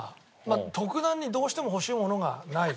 特段にどうしても欲しいものがない。